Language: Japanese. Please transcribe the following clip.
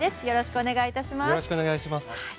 よろしくお願いします。